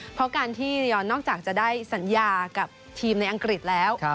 เพราะการที่ระยองนอกจากจะได้สัญญากับทีมในอังกฤษแล้ว